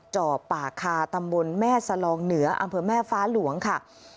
จ่อป่าคาตำบลแม่สลองเหนืออำเภอแม่ฟ้าหลวงค่ะ